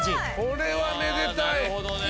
これはめでたい！